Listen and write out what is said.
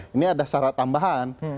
ini ada syarat tambahan